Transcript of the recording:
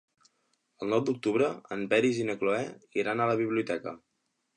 El nou d'octubre en Peris i na Cloè iran a la biblioteca.